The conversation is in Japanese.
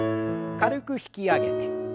軽く引き上げて。